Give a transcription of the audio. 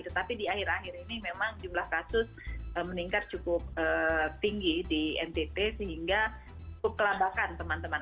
tetapi di akhir akhir ini memang jumlah kasus meningkat cukup tinggi di ntt sehingga cukup kelambakan teman teman